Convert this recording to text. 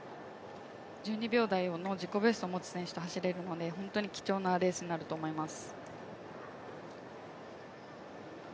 １２秒台の自己ベストを持つ選手と走れるので本当に貴重なレースになると思います。